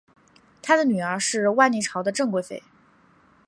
他的女儿是万历朝的郑贵妃。